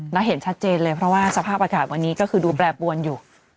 แล้วเห็นชัดเจนเลยเพราะว่าสภาพอากาศวันนี้ก็คือดูแปรปวนอยู่